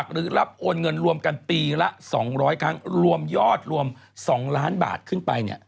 หรือรับโอนเงินรวมกันปีละ๒๐๐ครั้งรวมยอดรวม๒ล้านบาทขึ้นไป